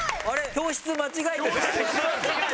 教室間違えてない？